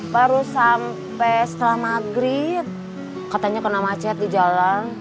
baru sampai setelah maghrib katanya kena macet di jalan